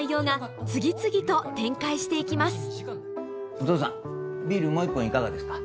お義父さんビールもう１本いかがですか？